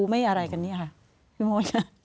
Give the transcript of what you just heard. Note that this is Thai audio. ไม่อะไรกันนี้ค่ะพี่โมช่า